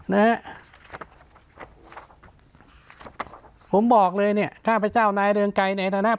เนอะผมบอกเลยเนี่ยข้าพเจ้านายเรืองใจในทันท้าย